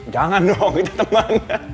jangan dong kita temannya